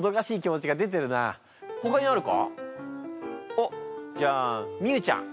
おっじゃあみゆちゃん。